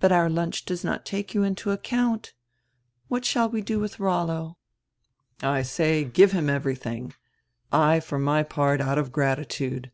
But our lunch does not take you into account. What shall we do widi Rollo?" "I say, give him everything — I for my part out of gratitude.